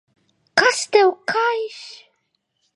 Kas tev kaiš?